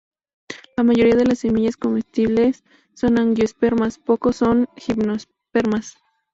La mayoría de las semillas comestibles son angiospermas, pocos son gimnospermas.